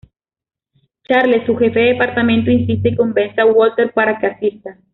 Charles, su jefe de departamento, insiste, y convence a Walter para que asista.